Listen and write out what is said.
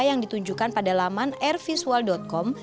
yang ditunjukkan pada laman airvisual com